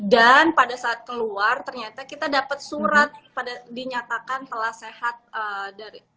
dan pada saat keluar ternyata kita dapat surat pada dinyatakan telah sehat dari